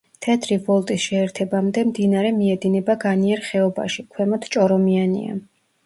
თეთრი ვოლტის შეერთებამდე მდინარე მიედინება განიერ ხეობაში, ქვემოთ ჭორომიანია.